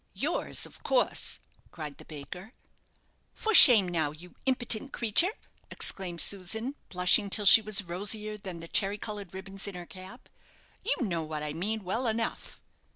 "Yours, of course," cried the baker. "For shame, now, you impitent creature!" exclaimed Susan, blushing till she was rosier than the cherry coloured ribbons in her cap; "you know what I mean well enough."